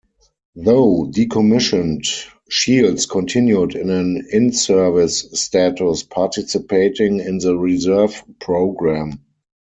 Though decommissioned, "Shields" continued in an in-service status, participating in the reserve program.